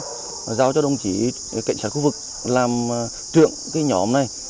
và giao cho đồng chí cảnh sát khu vực làm trượng nhóm này